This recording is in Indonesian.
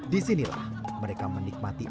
disinilah mereka menikmati